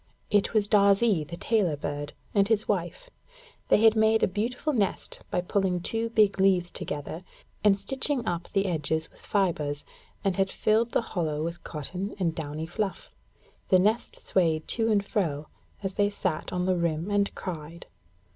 It was Darzee, the tailor bird, and his wife. They had made a beautiful nest by pulling two big leaves together and stitching them up the edges with fibres, and had filled the hollow with cotton and downy fluff. The nest swayed to and fro, as they sat on the rim and cried.